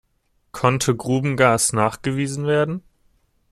Konnte Grubengas nachgewiesen werden?